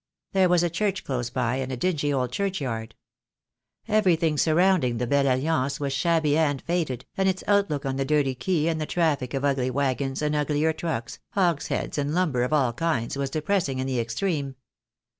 There was a church close by, and a dingy old churchyard. Everything sur THE DAY WILL COME. I 85 rounding the "Belle Alliance" was shabby and faded, and its outlook on the dirty quay and the traffic of ugly waggons and uglier trucks, hogsheads and lumber of all kinds, was depressing in the extreme.